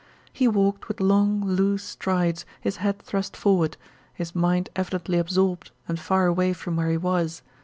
He walked with long, loose strides, his head thrust forward, his mind evidently absorbed and far away from where he was.